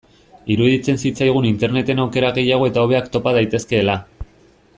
Iruditzen zitzaigun Interneten aukera gehiago eta hobeak topa daitezkeela.